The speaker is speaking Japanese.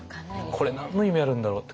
これ何の意味あるんだろう？